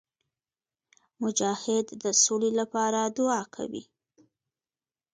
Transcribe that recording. مجاهد د سولي لپاره دعا کوي.